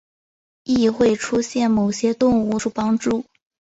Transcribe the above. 亦会出现某些动物作出帮助。